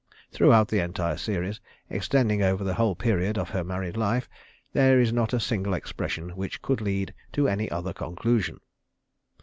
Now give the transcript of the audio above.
Throughout the entire series, extending over the whole period of her married life, there is not a single expression which could lead to any other conclusion.